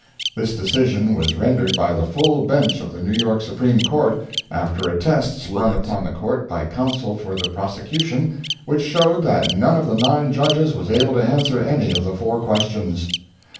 This decision was rendered by the full Bench of the New York Supreme Court, after a test sprung upon the court by counsel for the prosecution, which showed that none of the nine Judges was able to answer any of the four questions.